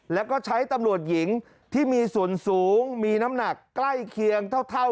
แล้วก็ใช้ตำรวจหญิงที่มีส่วนสูงมีน้ำหนักใกล้เคียงเท่า